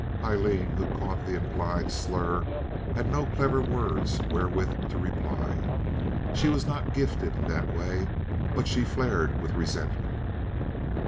Aileen, who caught the implied slur, had no clever words wherewith to reply. She was not gifted in that way, but she flared with resentment.